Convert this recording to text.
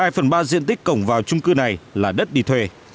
hai phần ba diện tích cổng vào trung cư này là đất đi thuê